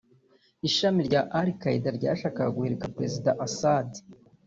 ishami rya al-Qaeda ryashakaga guhirika Perezida Assad